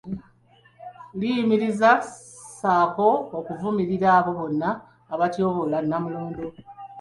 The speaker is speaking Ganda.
Liyimiriza ssaako n'okuvumirira abo bonna abatyoboola Nnamulondo